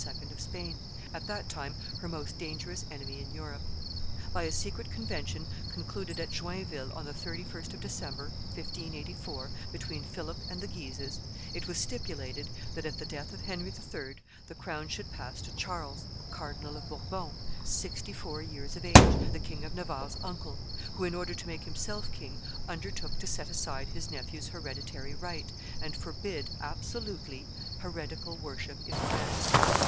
of Spain, at that time her most dangerous enemy in Europe. By a secret convention concluded at Joinville on the 31st of December, 1584, between Philip and the Guises, it was stipulated that at the death of Henry III. the crown should pass to Charles, Cardinal of Bourbon, sixty four years of age, the King of Navarre's uncle, who, in order to make himself king, undertook to set aside his nephew's hereditary right, and forbid, absolutely, heretical worship in France.